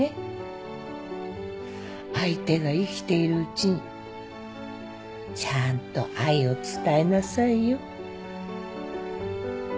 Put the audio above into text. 相手が生きているうちにちゃんと愛を伝えなさいよ。